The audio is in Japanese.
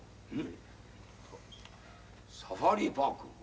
サファリパーク？